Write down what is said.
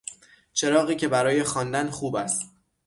چراغی که برای خواندن خوب است